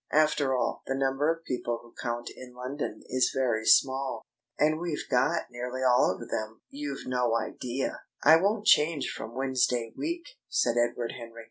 After all, the number of people who count in London is very small. And we've got nearly all of them. You've no idea " "I won't change from Wednesday week," said Edward Henry.